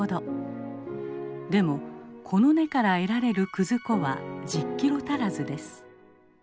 でもこの根から得られる葛粉は１０キロ足らずです。